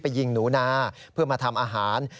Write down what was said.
ยิงหนูนาเพื่อมาทำอาหาร